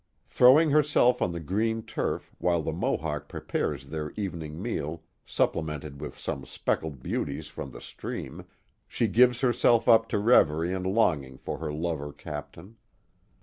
Throwing herself on the green turf while the Mohawk pre pares their evening meal, supplemented with some speckled beauties from the stream, she gives herself up to reverie and longing for her lover captain.